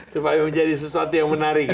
supaya menjadi sesuatu yang menarik